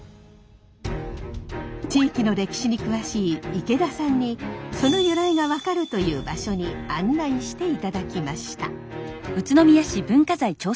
地域の歴史に詳しい池田さんにその由来が分かるという場所に案内していただきました。